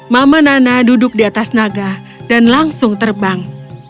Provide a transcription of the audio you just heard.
mama nana duduk di atas naga dan langsung terbang